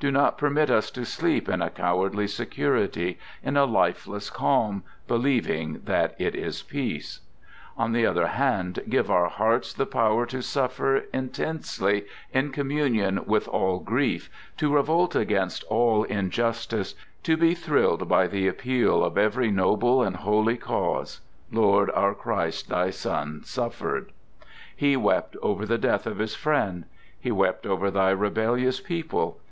Do not permit us to sleep in a cowardly security, in a lifeless calm, believing that it is peace. "THE GOOD SOLDIER" 99 On the other hand, give our hearts the power to* suffer intensely in communion with all grief, toj revolt against all injustice, to be thrilled by the ap j peal of every noble and holy cause. Lord, out\ Christ, thy Son suffered. He wept over the death of His friend. He wept over Thy rebellious peo ple.